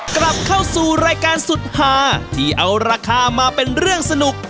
กลับเข้าสู่รายการสุดหาที่เอาราคามาเป็นเรื่องสนุก